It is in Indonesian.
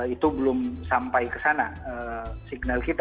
itu belum sampai ke sana signal kita